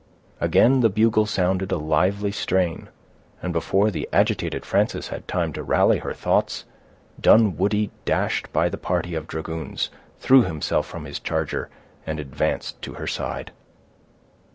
Again the bugle sounded a lively strain, and before the agitated Frances had time to rally her thoughts, Dunwoodie dashed by the party of dragoons, threw himself from his charger, and advanced to her side.